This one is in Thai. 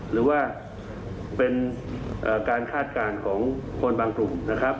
หรือว่าเป็นการคาดการณ์ของคนบางกลุ่มนะครับ